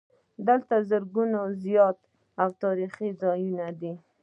دلته زرګونه زیارتونه او تاریخي ځایونه دي.